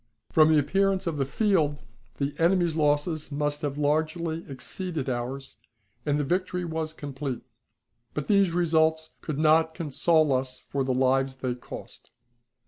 From the appearance of the field the enemy's losses must have largely exceeded ours, and the victory was complete; but these results could not console us for the lives they cost.